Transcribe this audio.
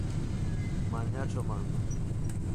Mañá cho mando.